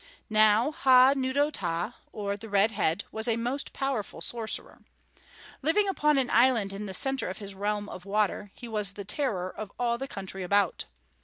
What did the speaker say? Now Hah Nudo Tah, or the Red Head, was a most powerful sorcerer. Living upon an island in the center of his realm of water, he was the terror of all the country about.